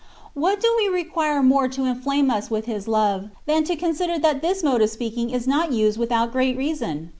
What do we require more to inflame us with His love, than to consider that this mode of speaking* is not used without great reason